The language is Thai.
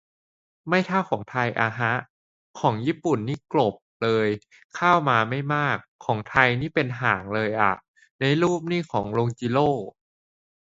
ไม่เท่าของไทยอะฮะ ของญี่ปุ่นนี่กลบเลยข้าวมาไม่มาก ของไทยนี่เป็นหางเลยอะ ในรูปนี่ของลุงจิโร่